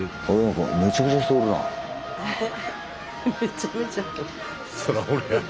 めちゃめちゃって。